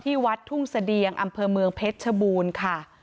วัดทุ่งเสดียงอำเภอเมืองเพชรชบูรณ์ค่ะ